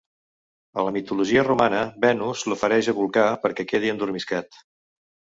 A la mitologia romana Venus l'ofereix a Vulcà perquè quedi endormiscat.